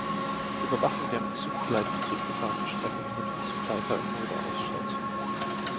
Die Überwachung der im Zugleitbetrieb gefahrenen Strecke findet vom Zugleiter in Mulda aus statt.